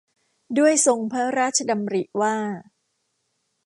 ด้วยทรงพระราชดำริว่า